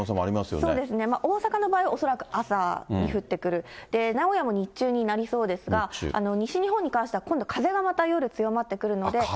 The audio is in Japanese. そうですね、大阪の場合は、恐らく朝に降ってくる、名古屋も日中になりそうですが、西日本に関しては、今度風がまた夜、強まってくるので。